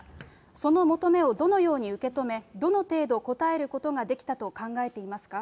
その求めをどのように受け止め、どの程度答えることができたと考えていますか。